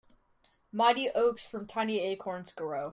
Mighty oaks from tiny acorns grow.